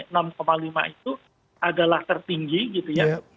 nah itu adalah tertinggi gitu ya